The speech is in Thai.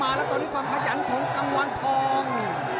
มาแล้วตอนนี้ความพยายามของกังวัลทอง